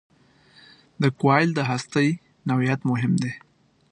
د کوایل د هستې نوعیت مهم دی.